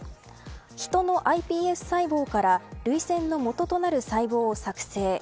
ヒトのｉＰＳ細胞から涙腺のもととなる細胞を作製。